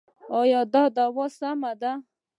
ایا دا دوا سمه ده؟